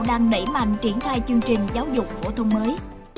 đang đẩy mạnh triển khai chương trình giáo dục phổ thông mới